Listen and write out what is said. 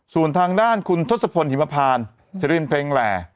ส่วนทางด้านคุณทศพลหิมพานสิรินเพลงแหล่